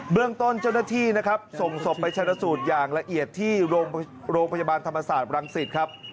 เรื่องต้นเจ้าหน้าที่นะครับส่งศพไปชนะสูตรอย่างละเอียดที่โรงพยาบาลธรรมศาสตร์รังสิตครับ